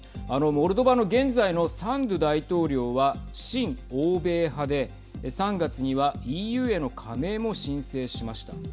モルドバの現在のサンドゥ大統領は親欧米派で３月にはＥＵへの加盟も申請しました。